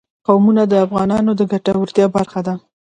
قومونه د افغانانو د ګټورتیا برخه ده.